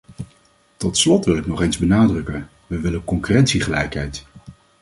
Tot slot wil ik nog eens benadrukken: we willen concurrentiegelijkheid.